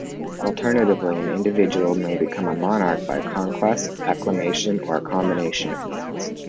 Alternatively, an individual may become monarch by conquest, acclamation or a combination of means.